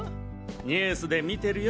ニュースで見てるよ